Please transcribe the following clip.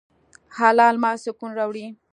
حلال مال سکون راوړي.